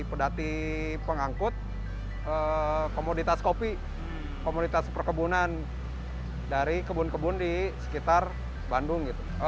pedati pengangkut komoditas kopi komoditas perkebunan dari kebun kebun di sekitar bandung